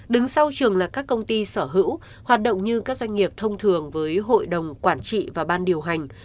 đứng sau trường là các công ty sở hữu hoạt động như các doanh nghiệp thông thường với hội đồng quản trị và ban điều hành